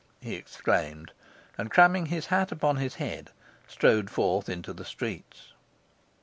he exclaimed, and, cramming his hat upon his head, strode forth into the streets.